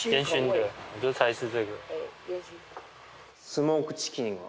スモークチキンは。